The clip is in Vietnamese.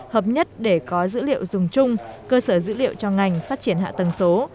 hợp nhất để có dữ liệu dùng chung cơ sở dữ liệu cho ngành phát triển hạ tầng số